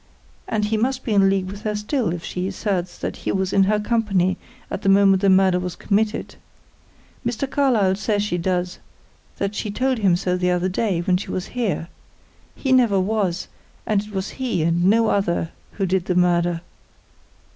And he must be in league with her still, if she asserts that he was in her company at the moment the murder was committed. Mr. Carlyle says she does; that she told him so the other day, when she was here. He never was; and it was he, and no other, who did the murder."